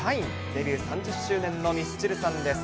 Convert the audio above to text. デビュー３０周年のミスチルさんです。